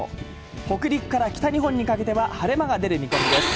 北陸から北日本にかけては、晴れ間が出る見込みです。